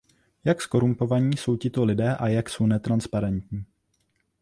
Jak zkorumpovaní jsou tito lidé a jak jsou netransparentní?